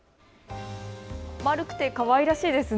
丸くて、かわいらしいですね。